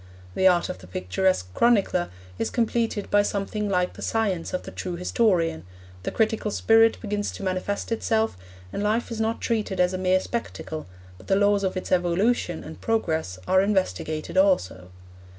The art of the picturesque chronicler is completed by something like the science of the true historian, the critical spirit begins to manifest itself, and life is not treated as a mere spectacle, but the laws of its evolution and progress are investigated also.